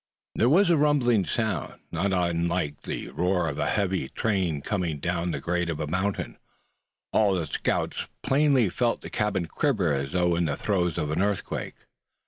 THERE was a rumbling sound, not unlike the roar of a heavy freight train coming down the grade of a mountain. All of the scouts plainly felt the cabin quiver as though in the throes of an earthquake.